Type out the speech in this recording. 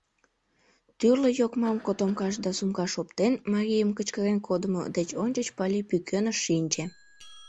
Тӱрлӧ йокмам котомкаш да сумкаш оптен, марийым кычкырен кодымо деч ончыч Пали пӱкеныш шинче.